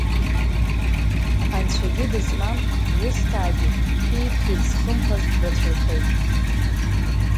Анцәагьы дызмам, ҩысҭаагьы, шәиԥхьыӡзхымԥаз рацәаҩхеит.